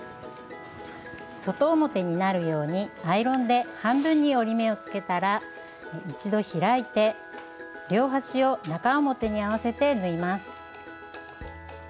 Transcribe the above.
外表になるようにアイロンで半分に折り目をつけたら一度開いて両端を中表に合わせて縫います。